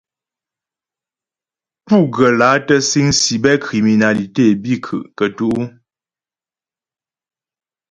Pú ghə́ lǎ tə́ síŋ cybercriminalité bǐ kətú' ?